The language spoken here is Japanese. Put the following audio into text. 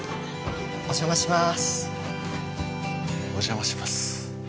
お邪魔しますお邪魔します